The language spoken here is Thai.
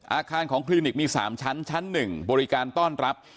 อาคารของคลินิกมี๓ชั้นชั้น๑บริการต้อนรับ